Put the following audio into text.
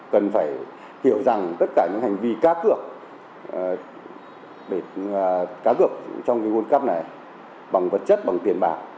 cần phải hiểu rằng tất cả những hành vi cá cược trong nguồn cắp này bằng vật chất bằng tiền bạc